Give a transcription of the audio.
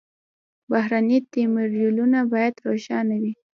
بهرني تمویلونه باید روښانه وي.